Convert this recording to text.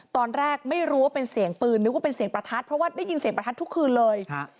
ตอนแรกไม่รู้ว่าเป็นเสียงปืนนึกว่าเป็นเสียงประทัดเพราะว่าได้ยินเสียงประทัดทุกคืนเลย